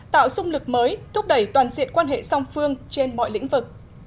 tạo xung lực mới thúc đẩy toàn diện quan hệ song phương trên mọi lĩnh vực